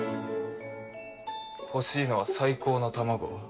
欲しいのは最高の卵。